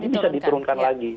itu bisa diturunkan lagi